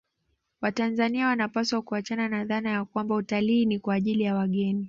Watanzania wanapaswa kuachana na dhana ya kwamba utalii ni kwa ajili ya wageni